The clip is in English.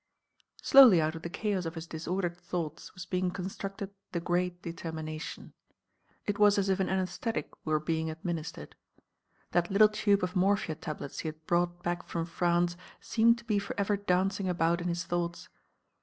Slowly out of the chaos of his disordered thoughts was being constructed the Great Determination. It was as if an anaesthetic were being administered. That little tube of morphia tablets he had brought back from France seemed to be for ever dancing about in his thoughts.